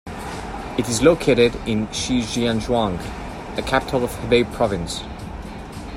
It is located in Shijiazhuang, the capital of Hebei Province.